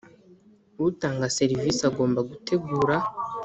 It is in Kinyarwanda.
utanga serivisi agomba gutegura